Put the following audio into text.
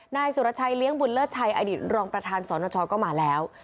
นายสุรชัยเลี้ยงบุญเลิศชัยอดีตรองประธานสนชก็มาแล้ว